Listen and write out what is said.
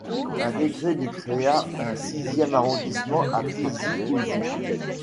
Un décret du créa un sixième arrondissement à Tizi-Ouzou.